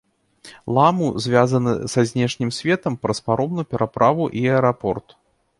Ламу звязаны са знешнім светам праз паромную пераправу і аэрапорт.